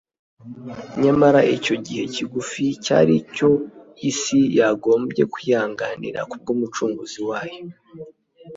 Nyamara icyo gihe kigufi cyari icyo isi yagombye kwihanganira kubw'Umucunguzi wayo.